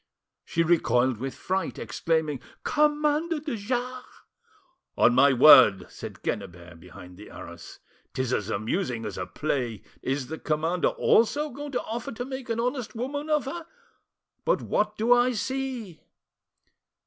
She recoiled with fright, exclaiming— "Commander de Jars!" "On my word!" said Quennebert behind the arras, "'tis as amusing as a play! Is the commander also going to offer to make an honest woman of her? But what do I see?"